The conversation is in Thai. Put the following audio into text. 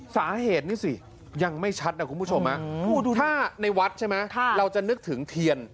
สาเหตุนี่สิยังไม่ชัดนะคุณผู้ชมถ้าในวัดใช่ไหมเราจะนึกถึงเทียน